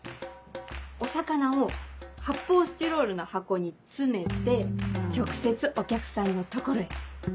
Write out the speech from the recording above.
お魚を発泡スチロールの箱に詰めて直接お客さんの所へ。